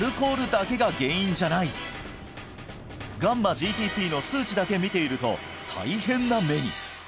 γ−ＧＴＰの数値だけ見ていると大変な目に！